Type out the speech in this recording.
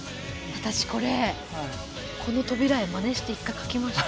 私これこの扉絵まねして一回描きました。